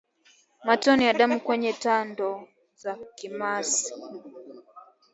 Matone ya damu kwenye tando za kamasi